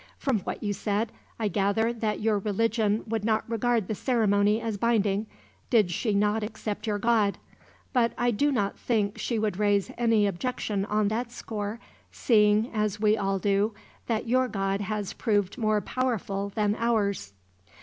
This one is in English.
From what you said, I gather that your religion would not regard the ceremony as binding, did she not accept your God; but I do not think she would raise any objection on that score, seeing, as we all do, that your God has proved more powerful than ours."